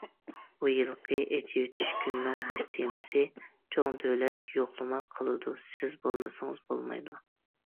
بۇ يىلقى ئېچىۋېتىش كۈنىنىڭ باش تېمىسى« چوڭ دۆلەت يوقلىما قىلىدۇ، سىز بولمىسىڭىز بولمايدۇ».